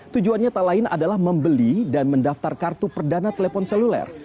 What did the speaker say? tujuannya tak lain adalah membeli dan mendaftar kartu perdana telepon seluler